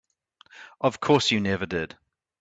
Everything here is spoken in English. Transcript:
Of course you never did.